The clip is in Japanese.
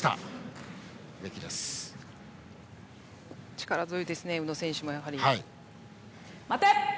力強いですね、宇野選手。